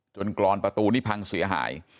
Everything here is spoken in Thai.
กรอนประตูนี้พังเสียหาย